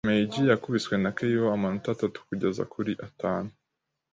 Meiji yakubiswe na Keio amanota atatu kugeza kuri atanu.